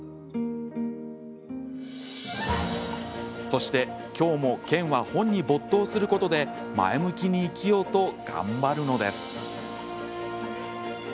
そして、きょうも剣は本に没頭することで前向きに生きようと頑張るのです。